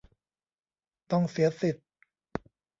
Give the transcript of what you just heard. ต้องเสียสิทธิ์